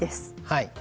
はい。